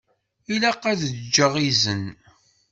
Ilaq ad ǧǧeɣ izen.